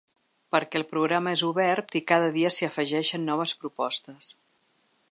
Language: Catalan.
Perquè el programa és obert i cada dia s’hi afegeixen noves propostes.